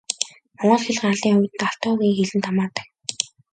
Монгол хэл гарлын хувьд Алтай овгийн хэлэнд хамаардаг.